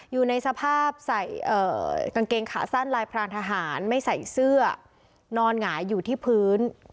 อยู่ในสภาพใส่กางเกงขาสั้นลายพรางทหารไม่ใส่เสื้อนอนหงายอยู่ที่พื้น